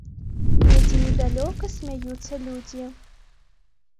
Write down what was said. Недзе недалёка смяюцца людзі.